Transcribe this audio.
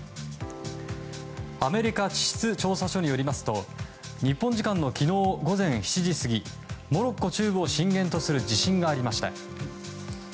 アメリカ地質調査所によりますと日本時間の昨日午前７時過ぎモロッコ中部を震源とする地震がありました。